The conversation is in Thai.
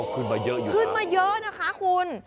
ขึ้นมาเยอะอยู่ขึ้นมาเยอะนะคะคุณ